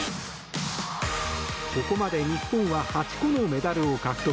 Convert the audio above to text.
ここまで日本は８個のメダルを獲得。